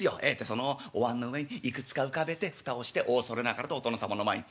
そのおわんの上にいくつか浮かべて蓋をしてお恐れながらとお殿様の前に。